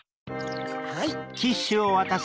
はい。